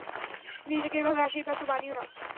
নিজেকে এভাবে হাসির পাত্র বানিও না।